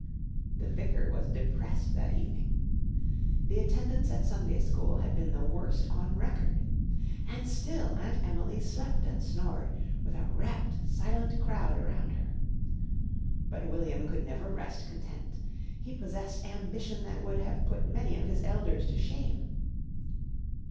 The vicar was depressed that evening. The attendance at Sunday School had been the worst on record. And still Aunt Emily slept and snored with a rapt, silent crowd around her. But William could never rest content. He possessed ambition that would have put many of his elders to shame.